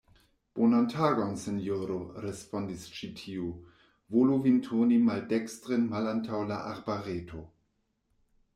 Bonan tagon, sinjoro, respondis ĉi tiu, volu vin turni maldekstren malantaŭ la arbareto.